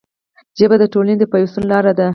ژبه د ټولنې د پیوستون لاره ده